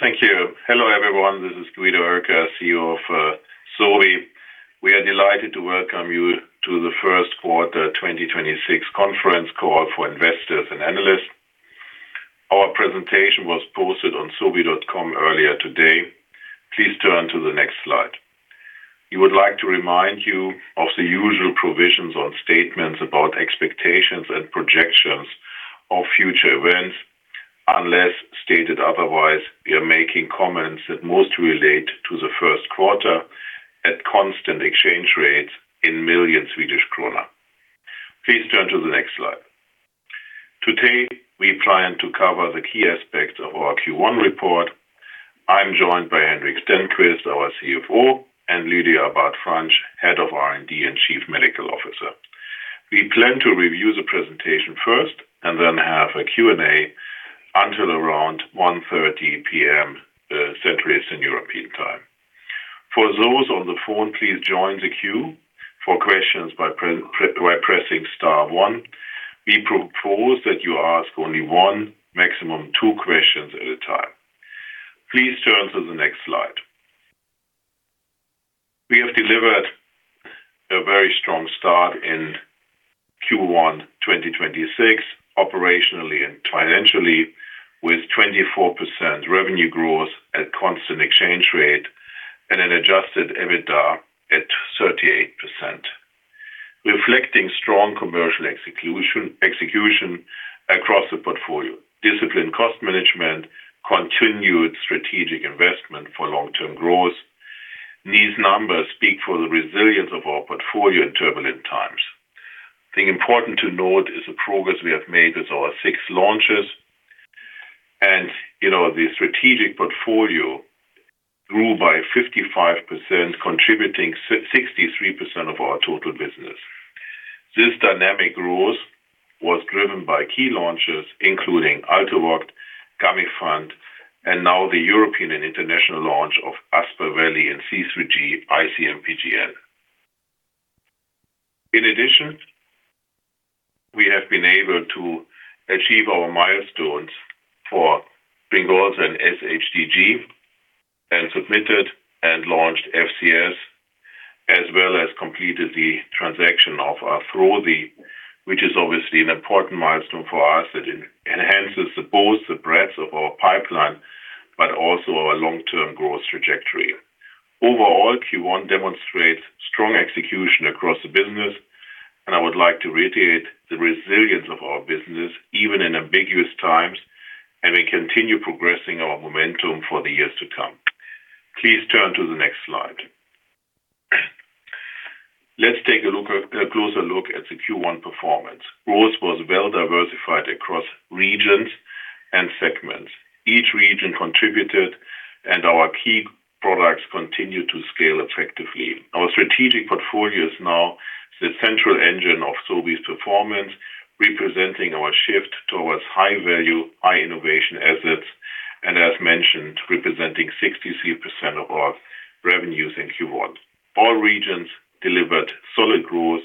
Thank you. Hello, everyone. This is Guido Oelkers, CEO of Sobi. We are delighted to welcome you to the first quarter 2026 conference call for investors and analysts. Our presentation was posted on sobi.com earlier today. Please turn to the next slide. We would like to remind you of the usual provisions on statements about expectations and projections of future events. Unless stated otherwise, we are making comments that most relate to the first quarter at constant exchange rates in million Swedish Krona. Please turn to the next slide. Today, we plan to cover the key aspects of our Q1 report. I'm joined by Henrik Stenqvist, our CFO, and Lydia Abad-Franch, Head of R&D and Chief Medical Officer. We plan to review the presentation first and then have a Q&A until around 1:30 P.M., Central European Time. For those on the phone, please join the queue for questions by pressing star one. We propose that you ask only one, maximum two questions at a time. Please turn to the next slide. We have delivered a very strong start in Q1 2026 operationally and financially, with 24% revenue growth at constant exchange rate and an adjusted EBITDA at 38%, reflecting strong commercial execution across the portfolio, disciplined cost management, continued strategic investment for long-term growth. These numbers speak for the resilience of our portfolio in turbulent times. I think important to note is the progress we have made with our six launches. You know, the strategic portfolio grew by 55%, contributing 63% of our total business. This dynamic growth was driven by key launches, including ALTUVOCT, Gamifant, and now the European and international launch of Aspaveli and C3G, IC-MPGN. In addition, we have been able to achieve our milestones for Tryngolza and sHTG and submitted and launched FCS, as well as completed the transaction of Arthrosi, which is obviously an important milestone for us that enhances both the breadth of our pipeline, but also our long-term growth trajectory. Overall, Q1 demonstrates strong execution across the business, and I would like to reiterate the resilience of our business, even in ambiguous times, and we continue progressing our momentum for the years to come. Please turn to the next slide. Let's take a closer look at the Q1 performance. Growth was well diversified across regions and segments. Each region contributed, and our key products continued to scale effectively. Our strategic portfolio is now the central engine of Sobi's performance, representing our shift towards high value, high innovation assets, and as mentioned, representing 63% of our revenues in Q1. All regions delivered solid growth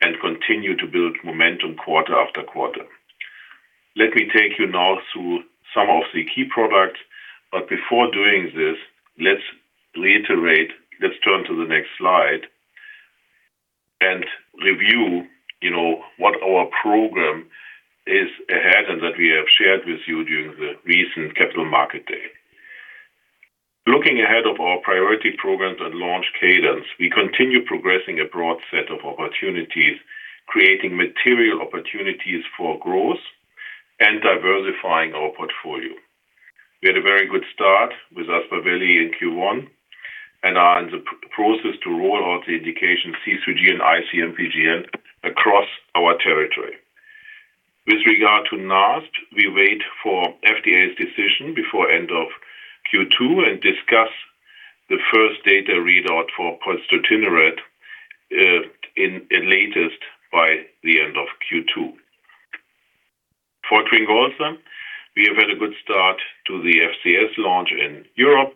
and continue to build momentum quarter after quarter. Let me take you now through some of the key products. Before doing this, let's reiterate. Let's turn to the next slide and review, you know, what our program is ahead and that we have shared with you during the recent Capital Markets Day. Looking ahead of our priority programs and launch cadence, we continue progressing a broad set of opportunities, creating material opportunities for growth and diversifying our portfolio. We had a very good start with Aspaveli in Q1 and are in the process to roll out the indication C3G and IC-MPGN across our territory. With regard to NASP, we wait for FDA's decision before end of Q2 and discuss the first data readout for pozdeutinurad, latest by the end of Q2. For Tryngolza, we have had a good start to the FCS launch in Europe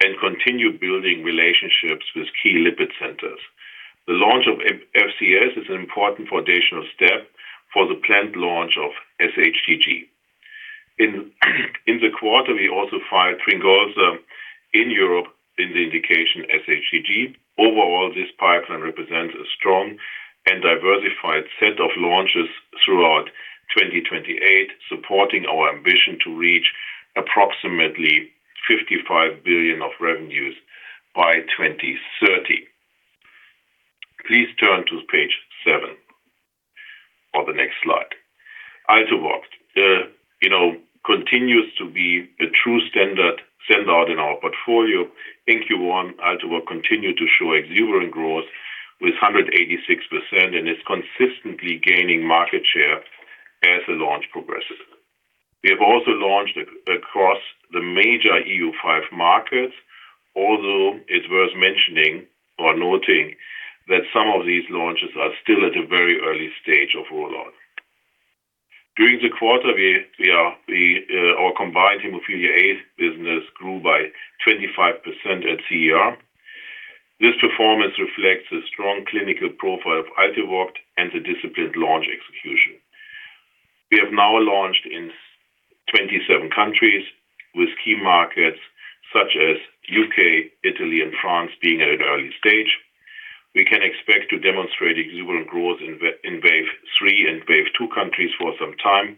and continue building relationships with key lipid centers. The launch of FCS is an important foundational step for the planned launch of sHTG. In the quarter, we also filed Tryngolza in Europe in the indication sHTG. Overall, this pipeline represents a strong and diversified set of launches throughout 2028, supporting our ambition to reach approximately 55 billion of revenues by 2030. Please turn to page seven or the next slide. ALTUVOCT, you know, continues to be a true standard sendout in our portfolio. In Q1, ALTUVOCT continued to show exuberant growth with 186% and is consistently gaining market share as the launch progresses. We have also launched across the major EU5 markets, although it's worth mentioning or noting that some of these launches are still at a very early stage of rollout. During the quarter, our combined hemophilia A business grew by 25% at CER. This performance reflects the strong clinical profile of ALTUVOCT and the disciplined launch execution. We have now launched in 27 countries with key markets such as U.K., Italy and France being at an early stage. We can expect to demonstrate equivalent growth in Wave 3 and Wave 2 countries for some time.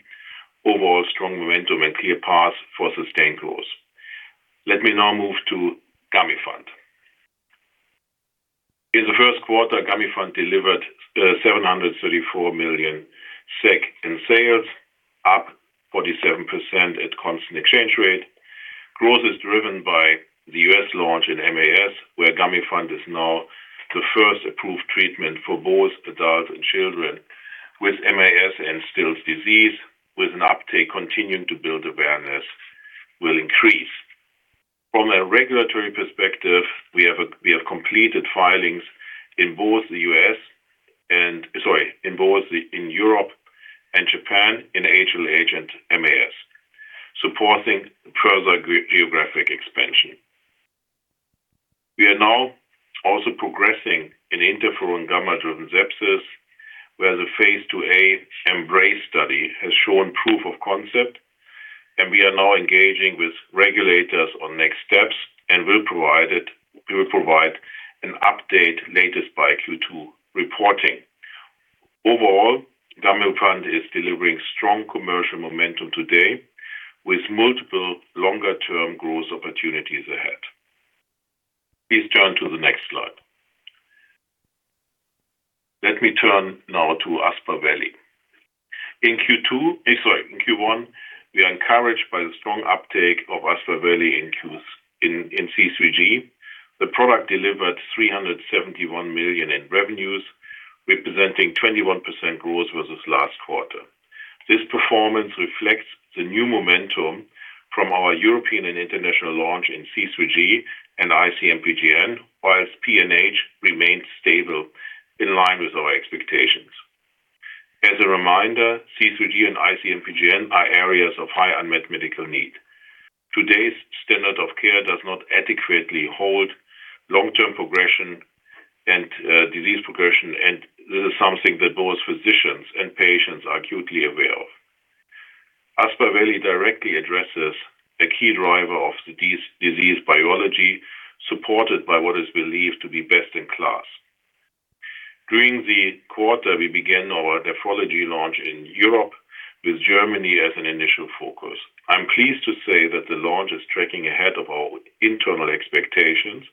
Overall, strong momentum and clear path for sustained growth. Let me now move to Gamifant. In the first quarter, Gamifant delivered 734 million SEK in sales, up 47% at constant exchange rate. Growth is driven by the U.S. launch in MAS, where Gamifant is now the first approved treatment for both adults and children with MAS and Still's disease, with an uptake continuing to build awareness will increase. From a regulatory perspective, we have completed filings in both the U.S. and Sorry, in both Europe and Japan in age-related MAS, supporting further geographic expansion. We are now also progressing in interferon gamma driven sepsis, where the phase II-A EMBRACE study has shown proof of concept, and we are now engaging with regulators on next steps and we will provide an update latest by Q2 reporting. Overall, Gamifant is delivering strong commercial momentum today with multiple longer-term growth opportunities ahead. Please turn to the next slide. Let me turn now to Aspaveli. In Q1, we are encouraged by the strong uptake of Aspaveli in C3G. The product delivered 371 million in revenues, representing 21% growth versus last quarter. This performance reflects the new momentum from our European and international launch in C3G and IC-MPGN, whilst PNH remains stable in line with our expectations. As a reminder, C3G and IC-MPGN are areas of high unmet medical need. Today's standard of care does not adequately hold long-term progression and disease progression, and this is something that both physicians and patients are acutely aware of. Aspaveli directly addresses the key driver of disease biology, supported by what is believed to be best in class. During the quarter, we began our nephrology launch in Europe, with Germany as an initial focus. I'm pleased to say that the launch is tracking ahead of our internal expectations.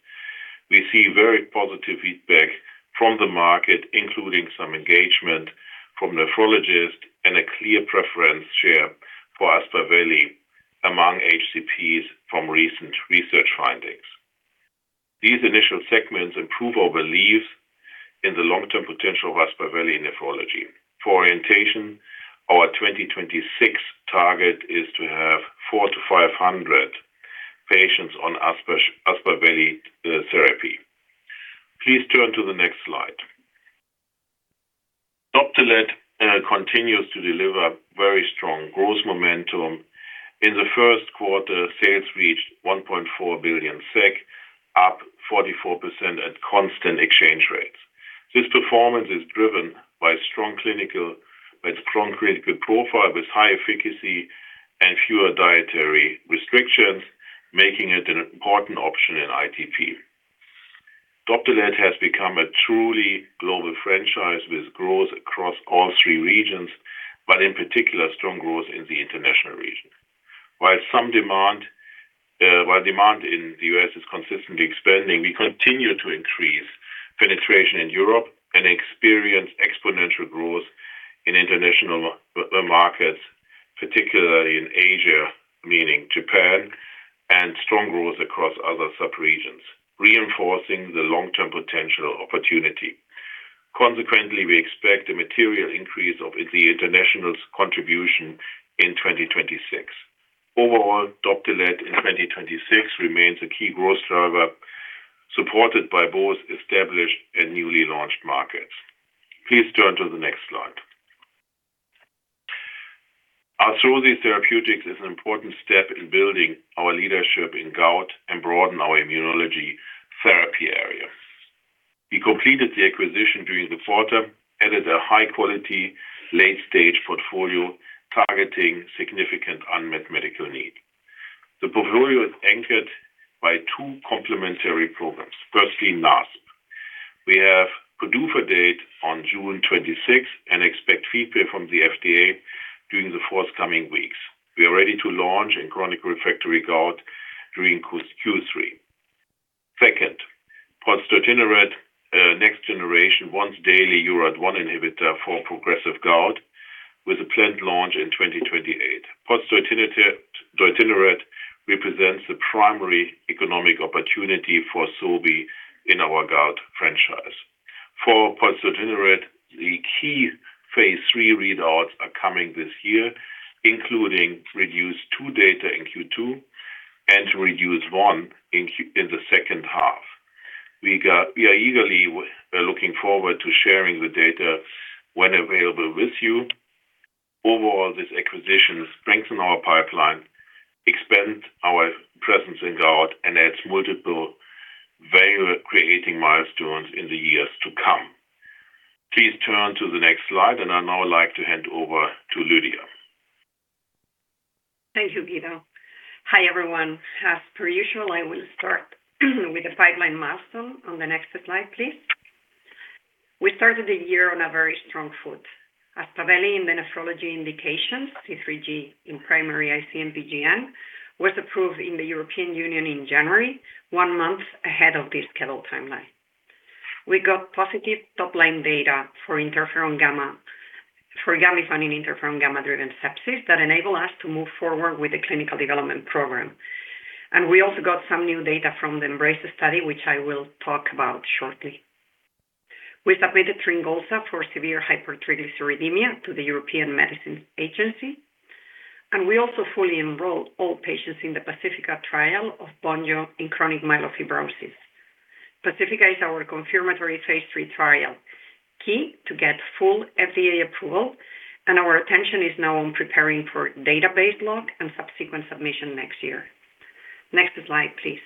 We see very positive feedback from the market, including some engagement from nephrologists and a clear preference share for Aspaveli among HCPs from recent research findings. These initial segments improve our belief in the long-term potential of Aspaveli nephrology. For orientation, our 2026 target is to have 400-500 patients on Aspaveli therapy. Please turn to the next slide. Doptelet continues to deliver very strong growth momentum. In the first quarter, sales reached 1.4 billion SEK, up 44% at constant exchange rates. This performance is driven by strong clinical profile with high efficacy and fewer dietary restrictions, making it an important option in ITP. Doptelet has become a truly global franchise with growth across all three regions, but in particular strong growth in the international region. While some demand, while demand in the U.S. is consistently expanding, we continue to increase penetration in Europe and experience exponential growth in international markets, particularly in Asia, meaning Japan, and strong growth across other sub-regions, reinforcing the long-term potential opportunity. We expect a material increase of the international's contribution in 2026. Doptelet in 2026 remains a key growth driver supported by both established and newly launched markets. Please turn to the next slide. Our Sobi Therapeutics is an important step in building our leadership in gout and broaden our immunology therapy area. We completed the acquisition during the quarter, added a high-quality late-stage portfolio targeting significant unmet medical need. The portfolio is anchored by two complementary programs. Firstly, NASP. We have PDUFA date on June 26 and expect feedback from the FDA during the forthcoming weeks. We are ready to launch in chronic refractory gout during Q3. Second, pozdeutinurad, next-generation once-daily URAT1 inhibitor for progressive gout with a planned launch in 2028. Pozdeutinurad represents the primary economic opportunity for Sobi in our gout franchise. For pozdeutinurad, the key phase III readouts are coming this year, including REDUCE-2 data in Q2 and REDUCE-1 in the second half. We are eagerly looking forward to sharing the data when available with you. Overall, this acquisition strengthen our pipeline, expand our presence in gout, and adds multiple value-creating milestones in the years to come. Please turn to the next slide, and I now like to hand over to Lydia. Thank you, Guido. Hi, everyone. As per usual, I will start with the pipeline milestone. On the next slide, please. We started the year on a very strong foot. Aspaveli in the nephrology indications, C3G in primary IgA Nephropathy, was approved in the European Union in January, one month ahead of the scheduled timeline. We got positive top-line data for Gamifant in interferon gamma-driven sepsis that enable us to move forward with the clinical development program. We also got some new data from the EMBRACE study, which I will talk about shortly. We submitted Tryngolza for severe hypertriglyceridemia to the European Medicines Agency, and we also fully enrolled all patients in the PACIFICA trial of VONJO in chronic myelofibrosis. PACIFICA is our confirmatory phase III trial, key to get full FDA approval, and our attention is now on preparing for database lock and subsequent submission next year. Next slide, please.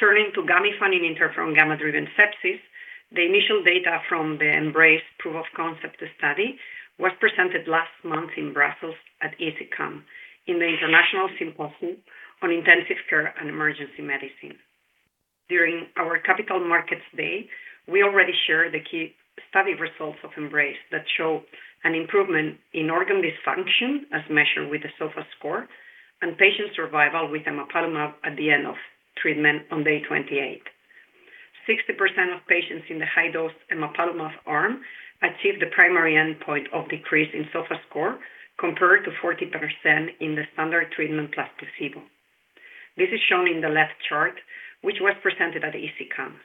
Turning to Gamifant in interferon gamma-driven sepsis, the initial data from the EMBRACE proof of concept study was presented last month in Brussels at ECCMID, in the International Symposium on Intensive Care and Emergency Medicine. During our Capital Markets Day, we already shared the key study results of EMBRACE that show an improvement in organ dysfunction as measured with the SOFA score and patient survival with emapalumab at the end of treatment on day 28. 60% of patients in the high-dose emapalumab arm achieved the primary endpoint of decrease in SOFA score compared to 40% in the standard treatment plus placebo. This is shown in the left chart, which was presented at ECCMID.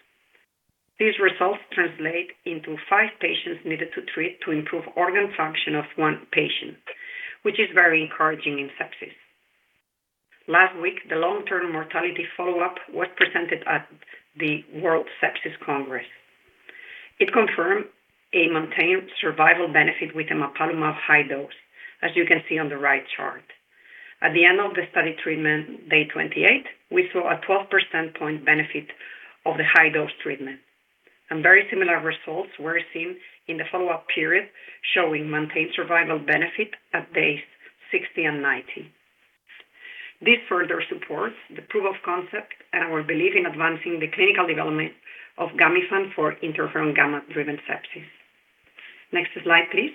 These results translate into five patients needed to treat to improve organ function of one patient, which is very encouraging in sepsis. Last week, the long-term mortality follow-up was presented at the World Sepsis Congress. It confirmed a maintained survival benefit with emapalumab high dose, as you can see on the right chart. At the end of the study treatment, day 28, we saw a 12 percentage point benefit of the high-dose treatment. Very similar results were seen in the follow-up period, showing maintained survival benefit at days 60 and 90. This further supports the proof of concept and our belief in advancing the clinical development of Gamifant for interferon gamma-driven sepsis. Next slide, please.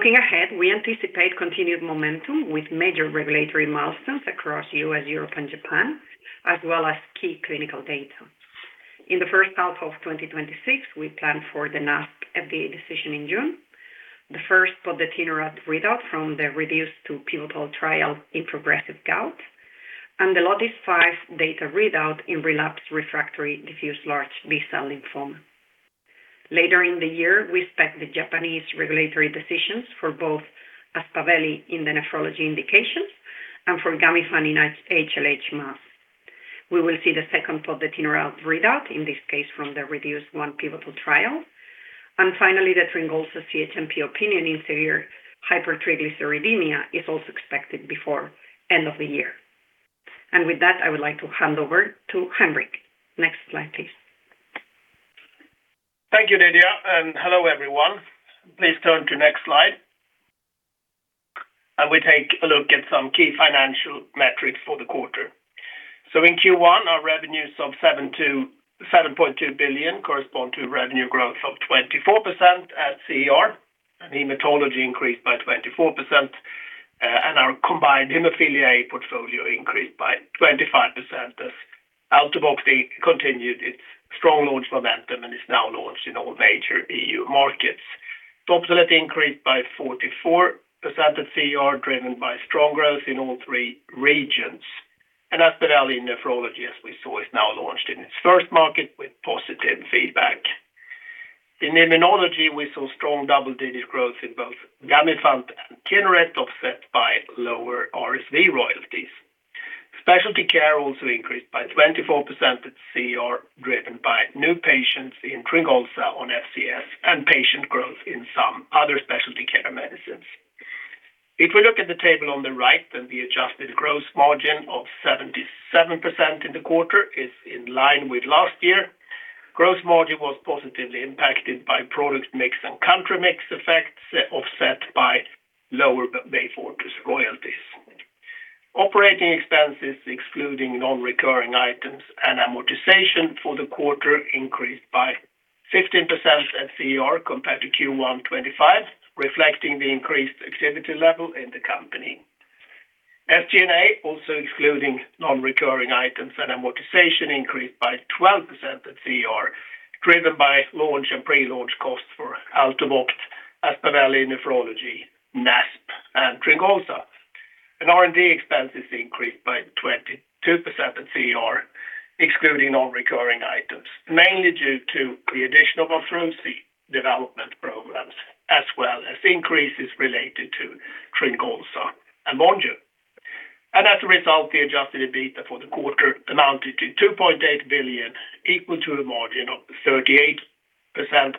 Looking ahead, we anticipate continued momentum with major regulatory milestones across U.S., Europe, and Japan, as well as key clinical data. In the first half of 2026, we plan for the NASP FDA decision in June. The first for the pozdeutinurad readout from the REDUCE-2 pivotal trial in progressive gout and the LOTIS-5 data readout in relapsed/refractory diffuse large B-cell lymphoma. Later in the year, we expect the Japanese regulatory decisions for both Aspaveli in the nephrology indications and for Gamifant in HLH MAS. We will see the second for the pozdeutinurad readout, in this case from the REDUCE-1 pivotal trial. Finally, the Tryngolza CHMP opinion in severe hypertriglyceridemia is also expected before end of the year. With that, I would like to hand over to Henrik. Next slide, please. Thank you, Lydia. Hello, everyone. Please turn to next slide. We take a look at some key financial metrics for the quarter. In Q1, our revenues of 7 billion-7.2 billion correspond to revenue growth of 24% at CER, hematology increased by 24%. Our combined hemophilia A portfolio increased by 25% as ALTUVOCT did continue its strong launch momentum and is now launched in all major EU markets. Doptelet increased by 44% at CER, driven by strong growth in all three regions. Aspaveli nephrology, as we saw, is now launched in its first market with positive feedback. In immunology, we saw strong double-digit growth in both Gamifant and pozdeutinurad, offset by lower RSV royalties. Specialty care also increased by 24% at CER, driven by new patients in Tryngolza on FCS and patient growth in some other specialty care medicines. If we look at the table on the right, the adjusted gross margin of 77% in the quarter is in line with last year. Gross margin was positively impacted by product mix and country mix effects, offset by lower base royalties. Operating expenses, excluding non-recurring items and amortization for the quarter, increased by 15% at CER compared to Q1 2025, reflecting the increased activity level in the company. SG&A, also excluding non-recurring items and amortization, increased by 12% at CER, driven by launch and pre-launch costs for ALTUVOCT, Aspaveli nephrology, NASP, and Tryngolza. R&D expenses increased by 22% at CER, excluding non-recurring items, mainly due to the additional development programs. Increases related to Tryngolza and Monjuvi. The adjusted EBITDA for the quarter amounted to 2.8 billion, equal to a margin of 38%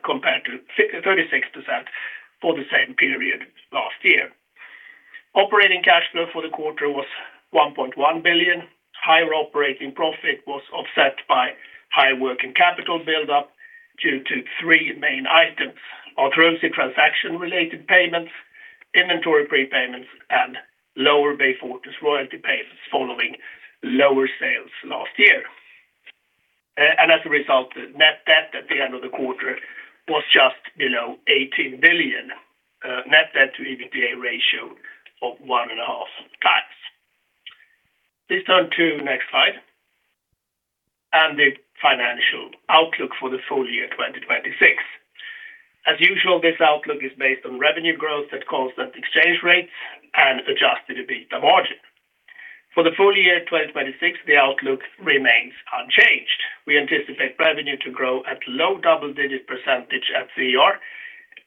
compared to 36% for the same period last year. Operating cash flow for the quarter was 1.1 billion. Higher operating profit was offset by high working capital build-up due to three main items: Arthrosi transaction-related payments, inventory prepayments, and lower Beyfortus royalty payments following lower sales last year. The net debt at the end of the quarter was just below 18 billion, net debt to EBITDA ratio of 1.5x. Please turn to next slide. The financial outlook for the full year 2026. As usual, this outlook is based on revenue growth at constant exchange rates and adjusted EBITDA margin. For the full year 2026, the outlook remains unchanged. We anticipate revenue to grow at low double-digit percentage at CER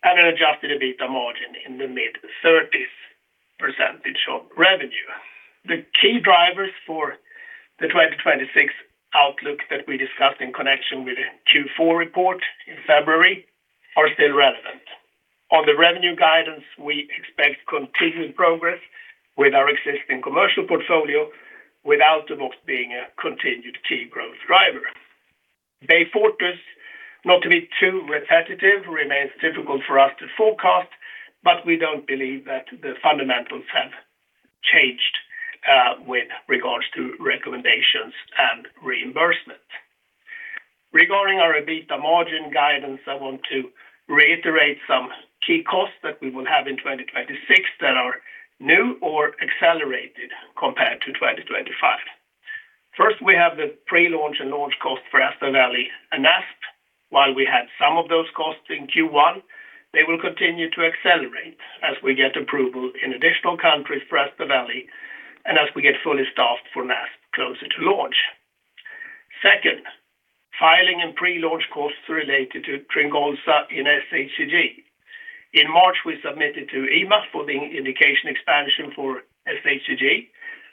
and an adjusted EBITDA margin in the mid-30s percentage of revenue. The key drivers for the 2026 outlook that we discussed in connection with the Q4 report in February are still relevant. On the revenue guidance, we expect continued progress with our existing commercial portfolio, with ALTUVOCT being a continued key growth driver. Beyfortus, not to be too repetitive, remains difficult for us to forecast, but we don't believe that the fundamentals have changed with regards to recommendations and reimbursement. Regarding our EBITDA margin guidance, I want to reiterate some key costs that we will have in 2026 that are new or accelerated compared to 2025. First, we have the pre-launch and launch cost for Aspaveli and Asp. While we had some of those costs in Q1, they will continue to accelerate as we get approval in additional countries for Aspaveli and as we get fully staffed for Asp closer to launch. Second, filing and pre-launch costs related to Tryngolza in sHTG. In March, we submitted to EMA for the indication expansion for sHTG,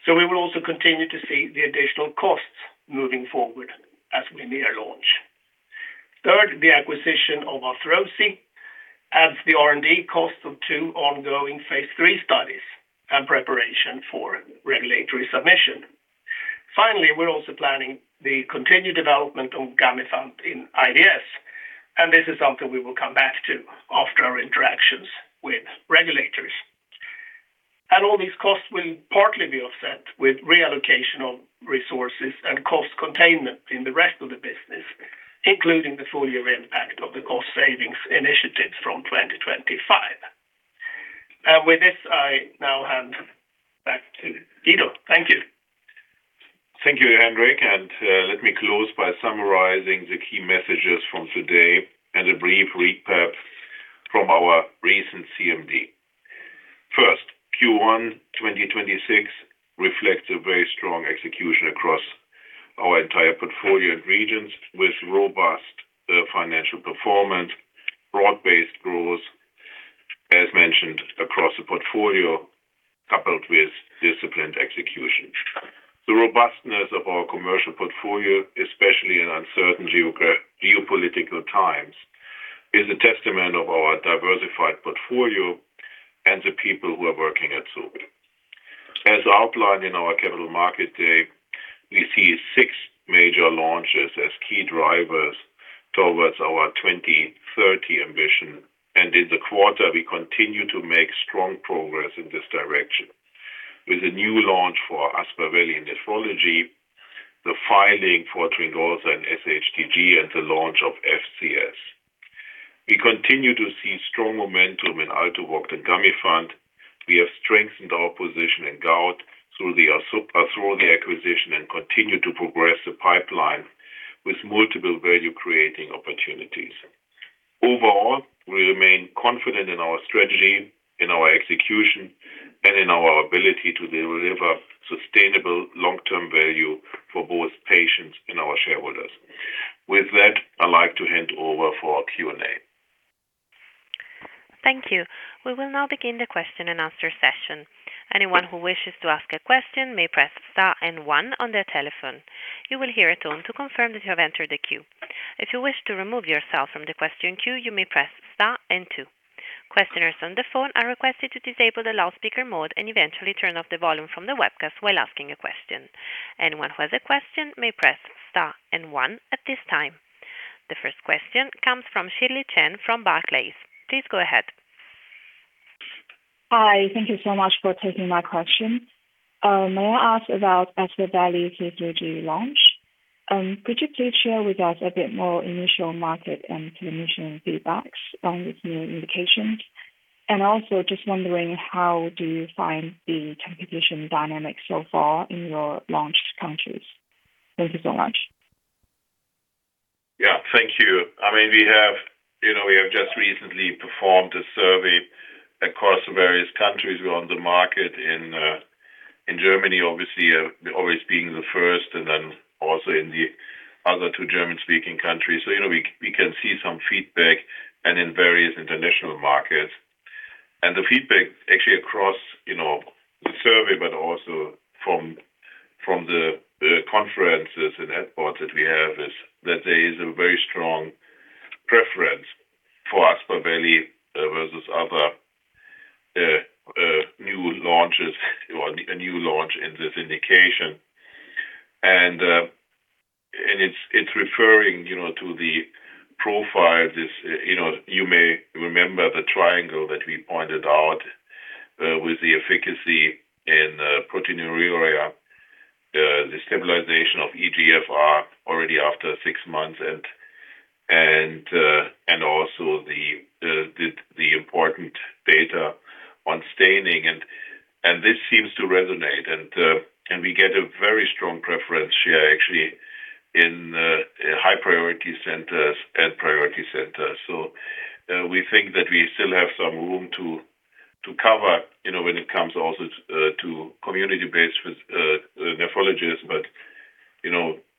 so we will also continue to see the additional costs moving forward as we near launch. Third, the acquisition of Arthrosi adds the R&D cost of two ongoing phase III studies and preparation for regulatory submission. Finally, we're also planning the continued development of Gamifant in IDS, and this is something we will come back to after our interactions with regulators. All these costs will partly be offset with reallocation of resources and cost containment in the rest of the business, including the full year impact of the cost savings initiatives from 2025. With this, I now hand back to Guido. Thank you. Thank you, Henrik, and let me close by summarizing the key messages from today and a brief recap from our recent CMD. First, Q1 2026 reflects a very strong execution across our entire portfolio and regions with robust financial performance, broad-based growth, as mentioned across the portfolio, coupled with disciplined execution. The robustness of our commercial portfolio, especially in uncertain geopolitical times, is a testament of our diversified portfolio and the people who are working at Sobi. As outlined in our Capital Markets Day, we see six major launches as key drivers towards our 2030 ambition, and in the quarter, we continue to make strong progress in this direction. With the new launch for Aspaveli in nephrology, the filing for Tryngolza in sHTG, and the launch of FCS. We continue to see strong momentum in ALTUVOCT and Gamifant. We have strengthened our position in gout through the Arthrosi acquisition and continue to progress the pipeline with multiple value-creating opportunities. Overall, we remain confident in our strategy, in our execution, and in our ability to deliver sustainable long-term value for both patients and our shareholders. With that, I'd like to hand over for Q&A. Thank you. We will now begin the question and answer session. The first question comes from Shirley Chen from Barclays. Please go ahead. Hi. Thank you so much for taking my question. May I ask about Aspaveli C3G launch? Could you please share with us a bit more initial market and clinician feedbacks on the new indications? Just wondering how do you find the competition dynamics so far in your launched countries? Thank you so much. Yeah. Thank you. I mean, we have, you know, we have just recently performed a survey across the various countries. We're on the market in Germany, obviously, always being the first and then also in the other two German-speaking countries. You know we can see some feedback and in various international markets. The feedback actually across, you know, the survey, but also from the conferences and ad boards that we have is that there is a very strong preference for Aspaveli versus other new launches or a new launch in this indication. It's, it's referring, you know, to the profile. This, you know, you may remember the triangle that we pointed out, with the efficacy in proteinuria, the stabilization of eGFR already after six months and also the important data on staining and this seems to resonate. We get a very strong preference here actually in high priority centers and priority centers. We think that we still have some room to cover, you know, when it comes also to community-based with nephrologists.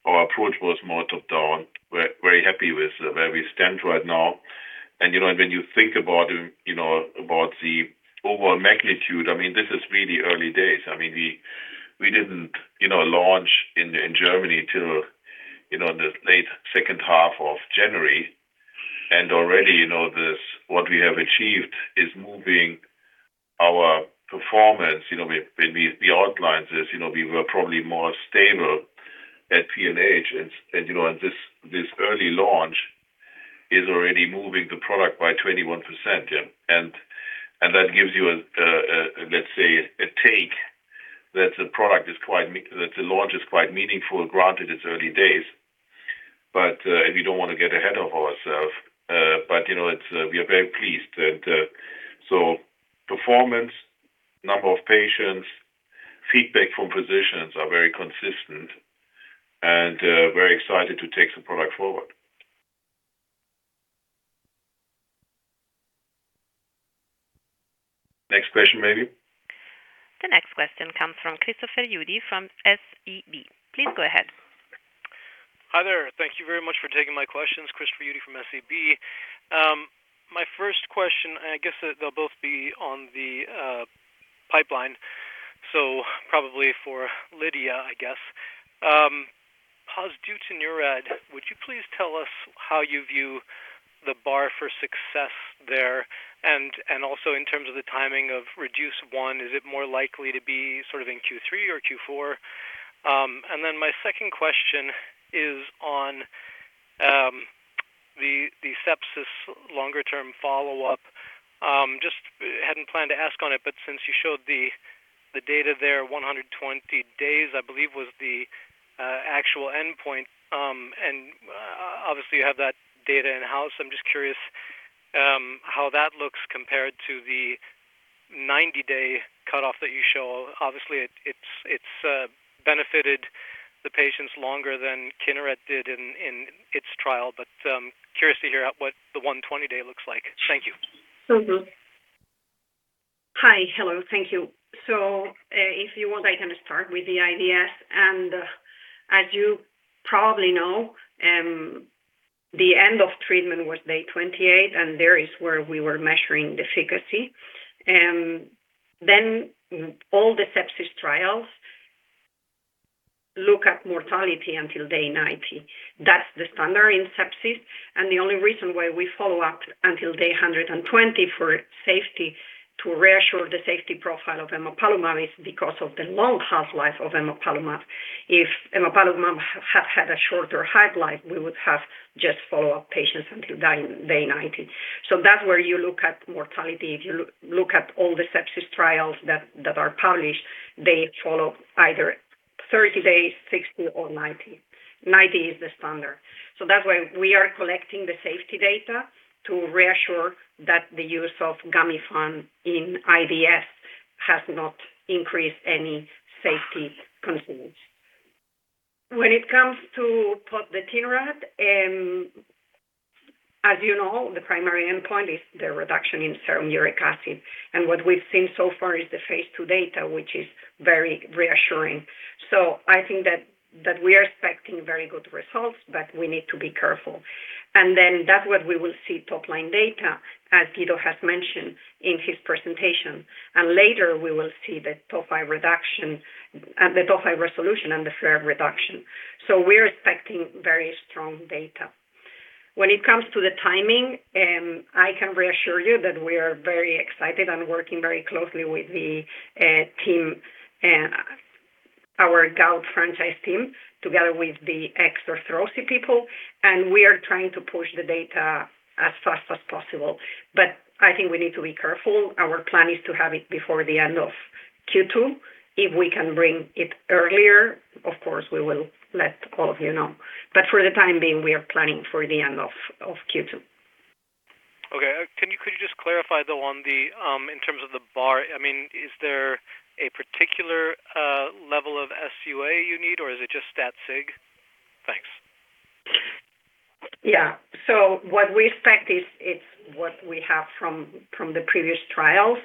Our approach was more top-down. We're very happy with where we stand right now. When you think about, you know, about the overall magnitude, I mean, this is really early days. I mean, we didn't, you know, launch in Germany till, you know, the late second half of January. Already, what we have achieved is moving our performance. We outlined this, we were probably more stable at PNH. This early launch is already moving the product by 21%. That gives you, let's say, a take that the launch is quite meaningful, granted it's early days. We don't want to get ahead of ourselves. We are very pleased. Performance, number of patients, feedback from physicians are very consistent and very excited to take the product forward. Next question, maybe. The next question comes from Christopher Uhde from SEB. Please go ahead. Hi there. Thank you very much for taking my questions. Christopher Uhde from SEB. My first question, I guess they'll both be on the pipeline, so probably for Lydia, I guess. Pozdeutinurad, would you please tell us how you view the bar for success there? Also in terms of the timing of REDUCE-1, is it more likely to be sort of in Q3 or Q4? My second question is on the sepsis longer term follow-up. Just hadn't planned to ask on it, but since you showed the data there 120 days, I believe, was the actual endpoint, and obviously you have that data in-house. I'm just curious how that looks compared to the 90-day cutoff that you show. Obviously, it's benefited the patients longer than Kineret did in its trial. Curious to hear what the 120-day looks like. Thank you. Mm-hmm. Hi. Hello. Thank you. If you want, I can start with the IDS. As you probably know, the end of treatment was day 28, and there is where we were measuring the efficacy. Then all the sepsis trials look at mortality until day 90. That's the standard in sepsis. The only reason why we follow up until day 120 for safety to reassure the safety profile of emapalumab is because of the long half-life of emapalumab. If emapalumab had a shorter half-life, we would have just follow-up patients until day 90. That's where you look at mortality. If you look at all the sepsis trials that are published, they follow either 30 days, 60 or 90. 90 is the standard. That's why we are collecting the safety data to reassure that the use of Gamifant in IDS has not increased any safety concerns. When it comes to pozdeutinurad, as you know, the primary endpoint is the reduction in serum uric acid. What we've seen so far is the phase II data, which is very reassuring. I think that we are expecting very good results, but we need to be careful. That's what we will see top-line data, as Guido has mentioned in his presentation. Later we will see the tophi reduction, the tophi resolution and the flare reduction. We're expecting very strong data. When it comes to the timing, I can reassure you that we are very excited and working very closely with the team and our gout franchise team together with the enthusiastic people. We are trying to push the data as fast as possible. I think we need to be careful. Our plan is to have it before the end of Q2. If we can bring it earlier, of course, we will let all of you know. For the time being, we are planning for the end of Q2. Okay. Could you just clarify, though, on the, in terms of the bar, I mean, is there a particular level of SUA you need, or is it just stat sig? Yeah. What we expect is it's what we have from the previous trials.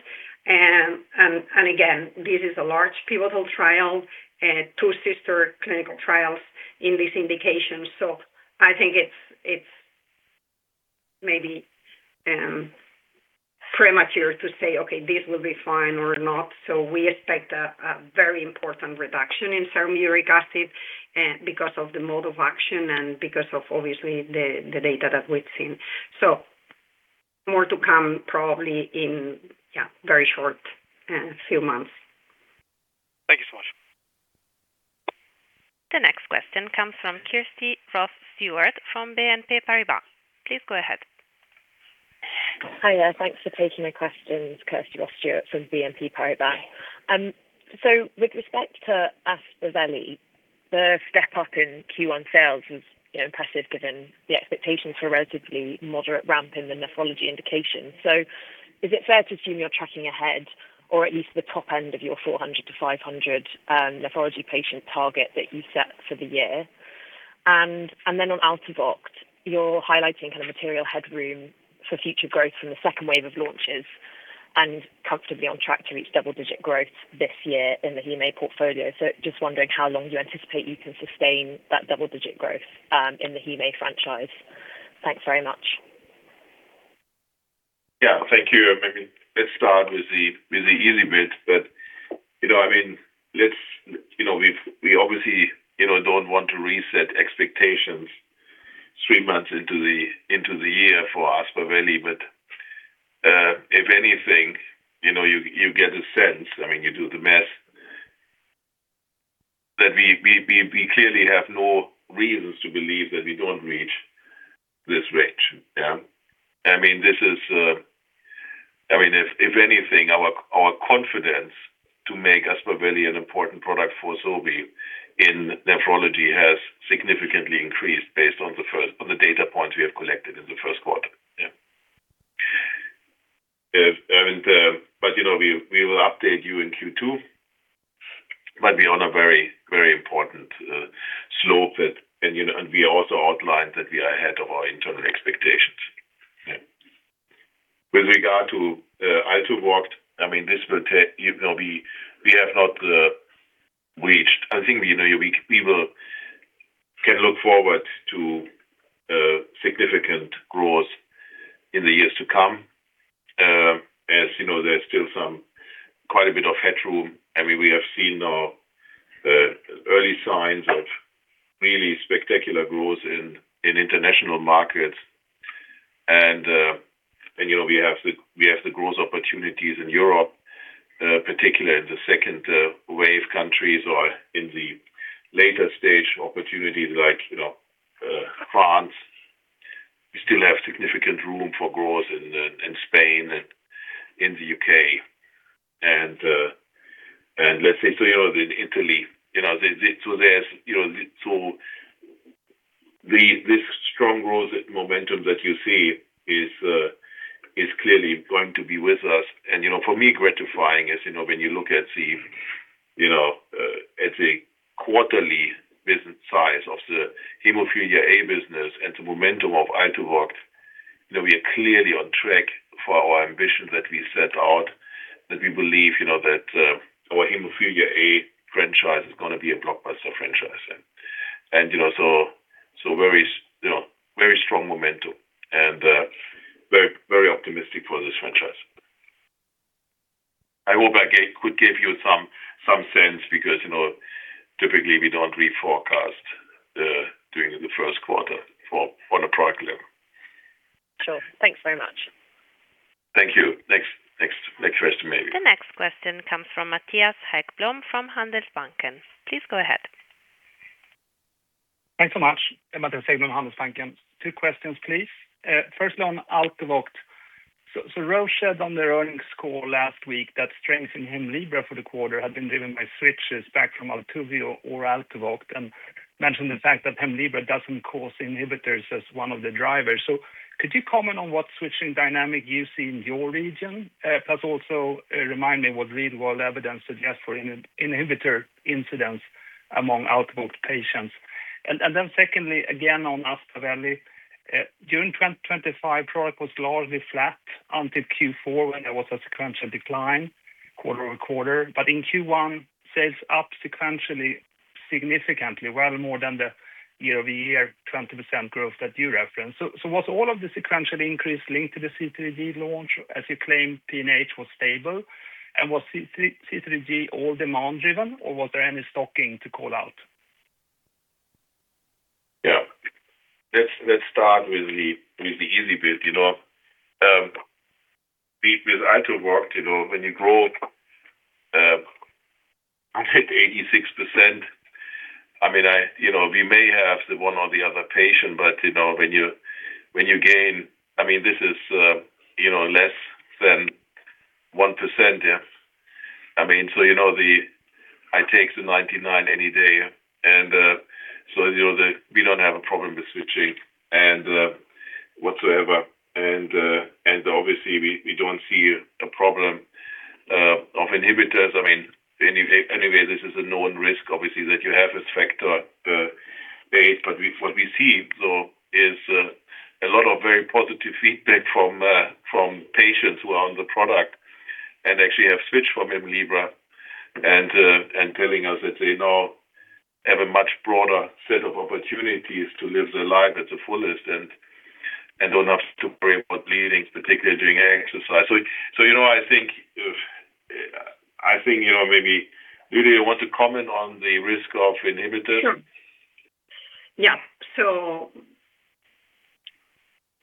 Again, this is a large pivotal trial and two sister clinical trials in this indication. I think it's maybe premature to say, okay, this will be fine or not. We expect a very important reduction in serum uric acid and because of the mode of action and because of obviously the data that we've seen. More to come probably in, yeah, very short few months. Thank you so much. The next question comes from Kirsty Ross-Stewart from BNP Paribas. Please go ahead. Hi there. Thanks for taking my questions. Kirsty Ross-Stewart from BNP Paribas. With respect to Aspaveli, the step up in Q1 sales is, you know, impressive given the expectations for relatively moderate ramp in the nephrology indication. Is it fair to assume you're tracking ahead or at least the top end of your 400-500 nephrology patient target that you set for the year? Then on ALTUVOCT, you're highlighting kind of material headroom for future growth from the second wave of launches and comfortably on track to reach double-digit growth this year in the haema portfolio. Just wondering how long you anticipate you can sustain that double-digit growth in the haema franchise. Thanks very much. Thank you. I mean, let's start with the easy bit. You know, I mean, let's, you know, we obviously, you know, don't want to reset expectations three months into the year for Aspaveli. If anything, you know, you get a sense, I mean, you do the math, that we clearly have no reasons to believe that we don't reach this range. I mean, this is, I mean, if anything, our confidence to make Aspaveli an important product for Sobi in nephrology has significantly increased based on the data points we have collected in the first quarter. You know, we will update you in Q2, but we are on a very important slope that. You know, we also outlined that we are ahead of our internal expectations. Yeah. With regard to ALTUVOCT, I mean, this will take, you know, we have not reached. I think, you know, we can look forward to significant growth in the years to come. As you know, there's still some quite a bit of headroom. I mean, we have seen early signs of really spectacular growth in international markets. You know, we have the growth opportunities in Europe, particularly in the second wave countries or in the later stage opportunities like, you know, France. We still have significant room for growth in Spain and in the U.K. and let's say so, you know, in Italy. You know, there's this strong growth momentum that you see is clearly going to be with us. You know, for me gratifying is, you know, when you look at the, you know, at the quarterly business size of the hemophilia A business and the momentum of ALTUVOCT, you know, we are clearly on track for our ambitions that we set out, that we believe, you know, that our hemophilia A franchise is gonna be a blockbuster franchise. You know, very strong momentum and very optimistic for this franchise. I hope I could give you some sense because, you know, typically we don't reforecast during the first quarter on a product level. Sure. Thanks very much. Thank you. Next question maybe. The next question comes from Mattias Häggblom from Handelsbanken. Please go ahead. Thanks so much. Mattias Häggblom, Handelsbanken. Two questions, please. Firstly on ALTUVOCT, so Roche shared on their earnings call last week that strengths in Hemlibra for the quarter had been driven by switches back from ALTUVOCT, and mentioned the fact that Hemlibra doesn't cause inhibitors as one of the drivers. Could you comment on what switching dynamic you see in your region? Plus also, remind me what real-world evidence suggests for in-inhibitor incidence among ALTUVOCT patients. Secondly, again on Aspaveli, during 2025, product was largely flat until Q4 when there was a sequential decline quarter-over-quarter. In Q1, sales up sequentially significantly, well more than the year-over-year 20% growth that you referenced. Was all of the sequential increase linked to the C3G launch, as you claim PNH was stable? Was C3G all demand driven or was there any stocking to call out? Yeah. Let's, let's start with the, with the easy bit. You know, with ALTUVOCT, you know, when you grow 86%, I mean, you know, we may have the one or the other patient, but, you know, when you gain. I mean, this is, you know, less than 1%. I mean, you know, I take the 99 any day. You know, we don't have a problem with switching and whatsoever. Obviously we don't see a problem of inhibitors. I mean, anyway, this is a known risk, obviously, that you have as factor base. What we see, though, is a lot of very positive feedback from patients who are on the product and actually have switched from Hemlibra and telling us that they now have a much broader set of opportunities to live their life at the fullest and don't have to worry about bleeding, particularly during exercise. You know, I think, you know, maybe, Lydia, you want to comment on the risk of inhibitor? Sure.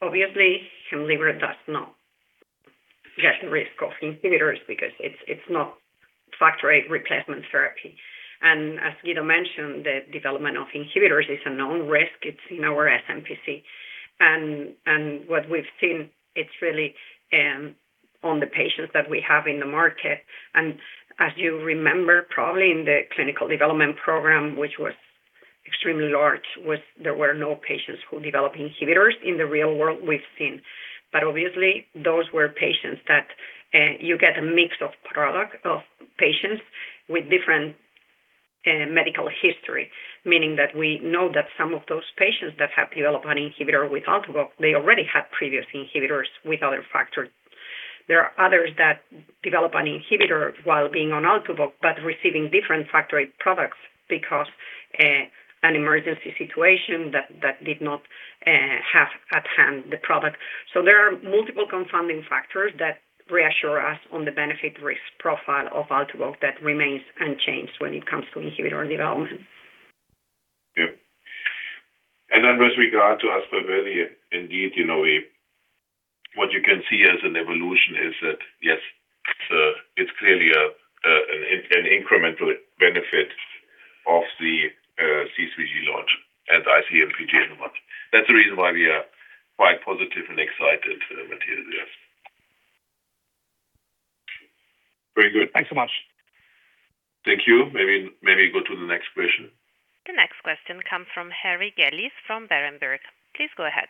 Obviously, Hemlibra does not get risk of inhibitors because it's not factor VIII replacement therapy. As Guido mentioned, the development of inhibitors is a known risk. It's in our SmPC. What we've seen, it's really on the patients that we have in the market. As you remember, probably in the clinical development program, which was extremely large, there were no patients who developed inhibitors in the real world we've seen. Obviously, those were patients that you get a mix of product of patients with different medical history. Meaning that we know that some of those patients that have developed an inhibitor with ALTUVOCT, they already had previous inhibitors with other factors. There are others that develop an inhibitor while being on ALTUVOCT, but receiving different factor VIII products because an emergency situation that did not have at hand the product. There are multiple confounding factors that reassure us on the benefit risk profile of ALTUVOCT that remains unchanged when it comes to inhibitor development. Yeah. With regard to Aspaveli, indeed, you know, what you can see as an evolution is that, yes, it's clearly an incremental benefit of the C3G launch and IC-MPGN launch. That's the reason why we are quite positive and excited, Mattias, yes. Very good. Thanks so much. Thank you. Maybe go to the next question. The next question comes from Harry Gillis from Berenberg. Please go ahead.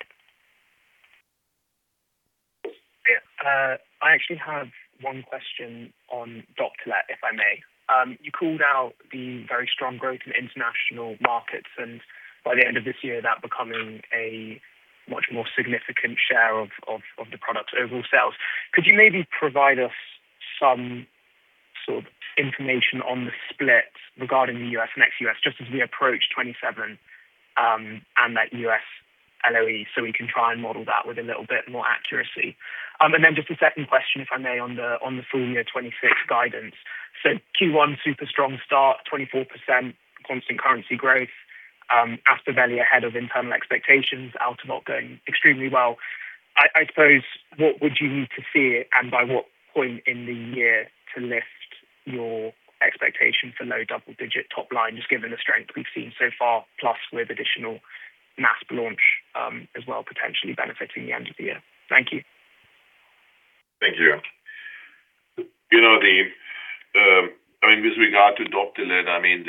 I actually have one question on Doptelet, if I may. You called out the very strong growth in international markets, and by the end of this year, that becoming a much more significant share of the product's overall sales. Could you maybe provide us some sort of information on the split regarding the U.S. and ex-U.S. just as we approach 2027, and that U.S. LOE, so we can try and model that with a little bit more accuracy? Just a second question, if I may, on the full year 2026 guidance. Q1 super strong start, 24% constant currency growth, Aspaveli ahead of internal expectations, ALTUVOCT going extremely well. I suppose, what would you need to see and by what point in the year to lift your expectation for low double-digit top line, just given the strength we've seen so far, plus with additional nirsevimab launch, as well, potentially benefiting the end of the year? Thank you. Thank you. You know, I mean, with regard to Doptelet, I mean,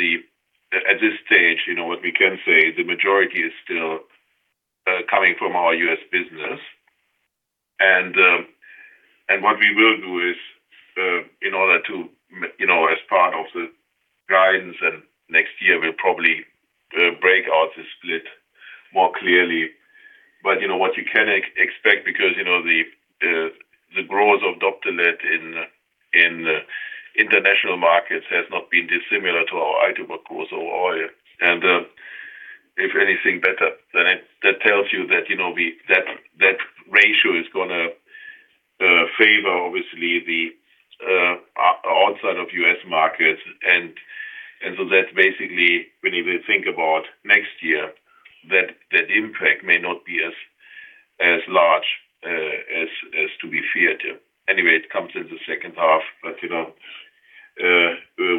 at this stage, you know, what we can say, the majority is still coming from our U.S. business. What we will do is in order to, you know, as part of the guidance and next year, we'll probably break out the split more clearly. You know, what you can expect because, you know, the growth of Doptelet in international markets has not been dissimilar to our ALTUVOCT. If anything better, then that tells you that, you know, that ratio is gonna favor, obviously, the outside of U.S. markets. That's basically when you will think about next year, that impact may not be as large as to be feared. It comes in the second half, you know,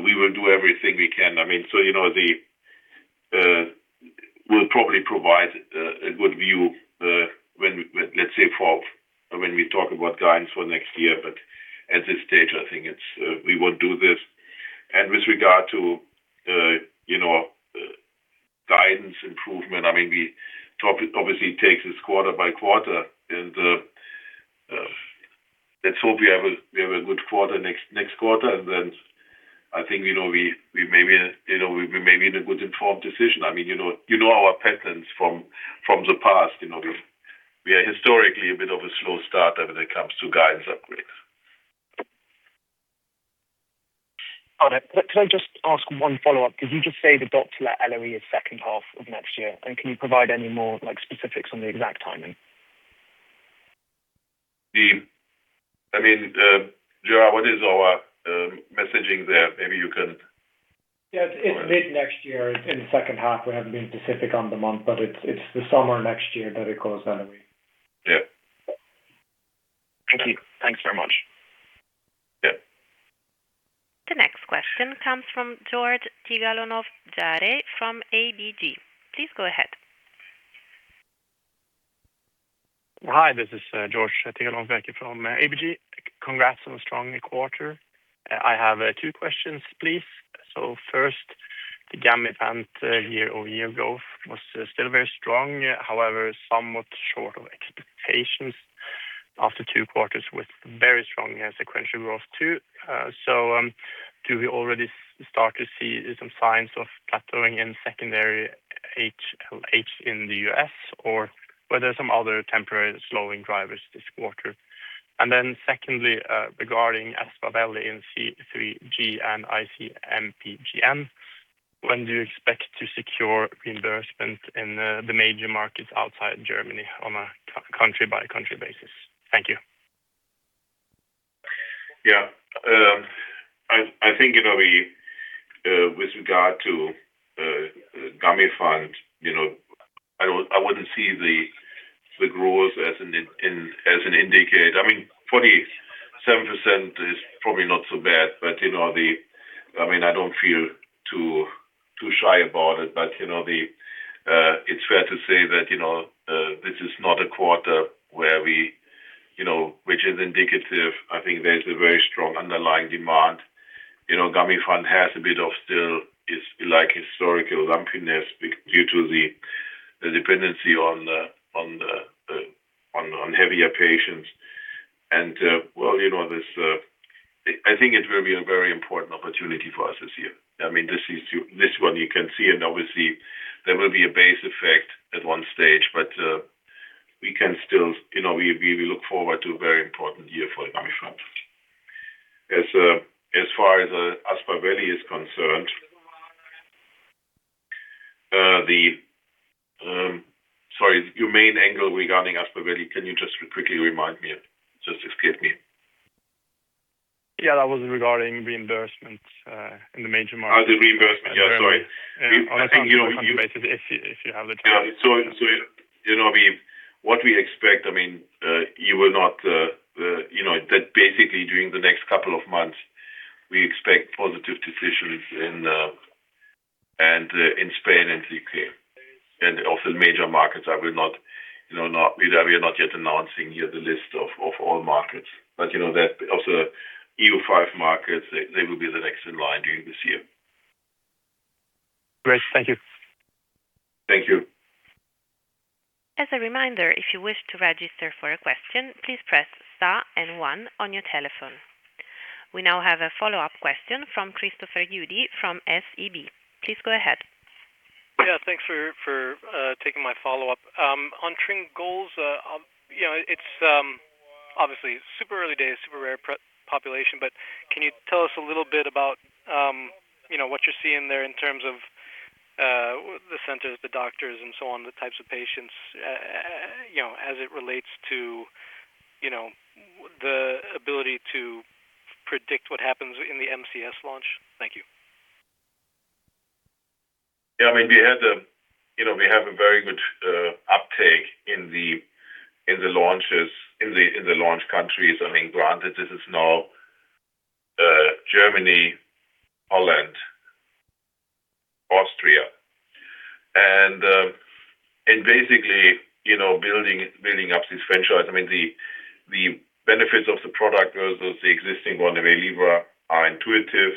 we will do everything we can. I mean, you know, we'll probably provide a good view when let's say fall, when we talk about guidance for next year. At this stage, I think it's, we will do this. With regard to, you know, guidance improvement, obviously takes us quarter by quarter, let's hope we have a good quarter next quarter. I think, you know, we may be, you know, we may be in a good informed decision. I mean, you know, you know our patterns from the past, you know, we are historically a bit of a slow starter when it comes to guidance upgrades. Got it. Can I just ask one follow-up? Did you just say the Doptelet LOE is second half of next year? Can you provide any more, like, specifics on the exact timing? I mean, Gerard, what is our messaging there? Maybe you can. Yeah. It's mid-next year. In the second half, we haven't been specific on the month, but it's the summer next year that it goes LOE. Yeah. Thank you. Thanks very much. Yeah. The next question comes from Georg Tigalanov-Bjerke from ABG. Please go ahead. Hi, this is Georg Tigalanov-Bjerke from ABG. Congrats on a strong quarter. I have two questions, please. First. The Gamifant year-over-year growth was still very strong, however, somewhat short of expectations after two quarters with very strong sequential growth too. Do we already start to see some signs of plateauing in secondary HLH in the U.S. or were there some other temporary slowing drivers this quarter? Secondly, regarding Aspaveli in C3G and IC-MPGN, when do you expect to secure reimbursement in the major markets outside Germany on a country by country basis? Yeah. I think, you know, we, with regard to Gamifant, you know, I wouldn't see the growth as an indicator. I mean, 47% is probably not so bad, but, you know, I mean, I don't feel too shy about it. You know, it's fair to say that, you know, this is not a quarter where we, you know, which is indicative. I think there's a very strong underlying demand. You know, Gamifant has a bit of still its like historical lumpiness due to the dependency on the on heavier patients. Well, you know, this, I think it will be a very important opportunity for us this year. I mean, this one you can see. Obviously there will be a base effect at one stage. We can still, you know, we look forward to a very important year for Gamifant. As far as Aspaveli is concerned, Sorry, your main angle regarding Aspaveli, can you just quickly remind me? Just excuse me. Yeah, that was regarding reimbursement, in the major markets. Oh, the reimbursement. Yeah, sorry. I think on a country basis if you have the time. Yeah. You know, what we expect, I mean, you will not, you know, that basically during the next couple of months, we expect positive decisions in Spain and the U.K. and of the major markets. I will not, you know. We are not yet announcing here the list of all markets. You know that of the EU5 markets, they will be the next in line during this year. Great. Thank you. Thank you. As a reminder, if you wish to register for a question, please press star and one on your telephone. We now have a follow-up question from Christopher Uhde from SEB. Please go ahead. Yeah, thanks for taking my follow-up. On Tryngolza, you know, it's obviously super early days, super rare population, but can you tell us a little bit about, you know, what you're seeing there in terms of the centers, the doctors and so on, the types of patients, you know, as it relates to, you know, the ability to predict what happens in the MCS launch? Thank you. Yeah, I mean, you know, we have a very good uptake in the launches, in the launch countries. I mean, granted this is now Germany, Holland, Austria. Basically, you know, building up this franchise. I mean, the benefits of the product versus the existing one, Waylivra, are intuitive,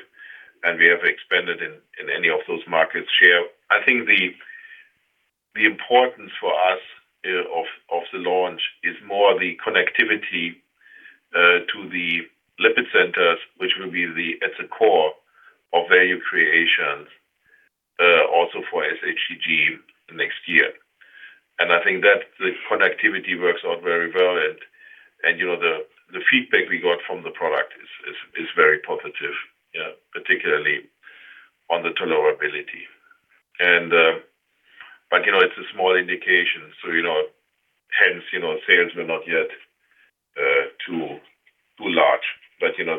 and we have expanded in any of those markets share. I think the importance for us of the launch is more the connectivity to the lipid centers, which will be at the core of value creation also for sHTG next year. I think that the connectivity works out very well and, you know, the feedback we got from the product is very positive, yeah, particularly on the tolerability. You know, it's a small indication, you know, hence, you know, sales were not yet too large. You know,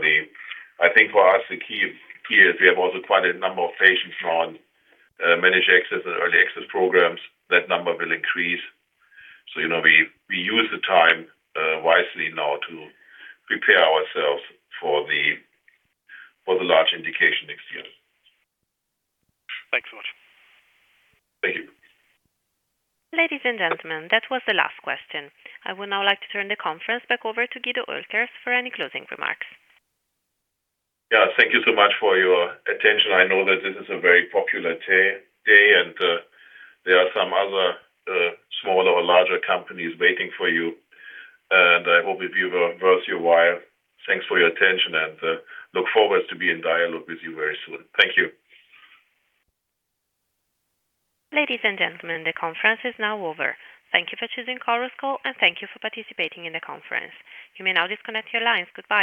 I think for us the key here is we have also quite a number of patients on managed access and early access programs. That number will increase. You know, we use the time wisely now to prepare ourselves for the large indication next year. Thanks so much. Thank you. Ladies and gentlemen, that was the last question. I would now like to turn the conference back over to Guido Oelkers for any closing remarks. Yeah. Thank you so much for your attention. I know that this is a very popular day and there are some other smaller or larger companies waiting for you. I hope we've been worth your while. Thanks for your attention, and look forward to be in dialogue with you very soon. Thank you. Ladies and gentlemen, the conference is now over. Thank you for choosing Chorus Call, and thank you for participating in the conference. You may now disconnect your lines. Goodbye.